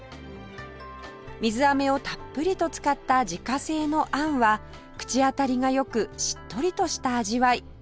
水あめをたっぷりと使った自家製のあんは口当たりが良くしっとりとした味わい